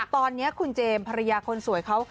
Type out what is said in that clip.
ตอนนี้คุณเจมส์ภรรยาคนสวยเขา